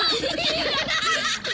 アハハハ！